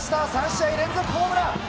３試合連続ホームラン！